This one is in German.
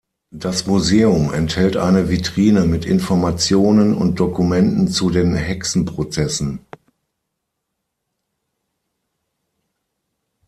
Das Museum enthält eine Vitrine mit Informationen und Dokumenten zu den Hexenprozessen.